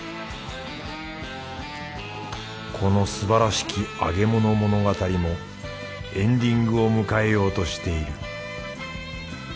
このすばらしき揚げもの物語もエンディングを迎えようとしている。